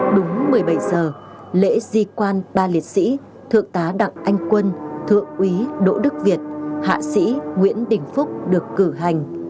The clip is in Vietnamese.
đúng một mươi bảy giờ lễ di quan ba liệt sĩ thượng tá đặng anh quân thượng úy đỗ đức việt hạ sĩ nguyễn đình phúc được cử hành